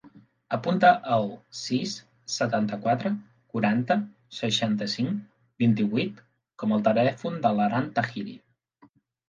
Apunta el sis, setanta-quatre, quaranta, seixanta-cinc, vint-i-vuit com a telèfon de l'Aran Tahiri.